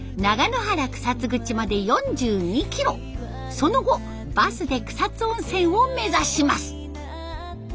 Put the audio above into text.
その後バスで草津温泉を目指します。